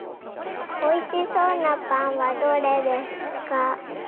おいしそうなぱんはどれですか？